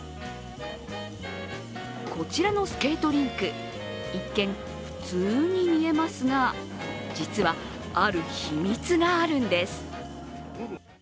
こちらのスケートリンク一見、普通に見えますが実は、ある秘密があるんです。